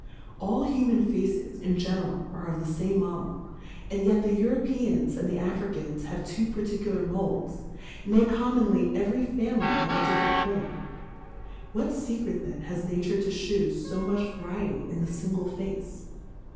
All Human Faces, in general, are of the fame Model, and yet the Europe am and tiiQ Jfricans have two particu lar Moulds, nay, commonly every Fa mily have a different Form ; what Se . cret then has Nature to fhew fo much f Variety in the fingle Face